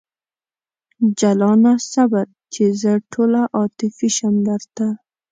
جلانه صبر! چې زه ټوله عاطفي شم درته